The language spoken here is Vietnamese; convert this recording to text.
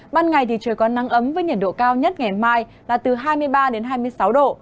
ban ngày thì trời có nắng ấm với nhiệt độ cao nhất ngày mai là từ hai mươi ba đến hai mươi sáu độ